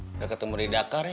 kita ketemu di dakar ya